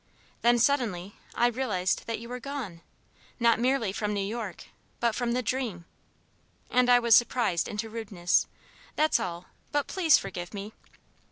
Then, suddenly, I realized that you were gone not merely from New York, but from the dream. And I was surprised into rudeness. That's all. But please forgive me!"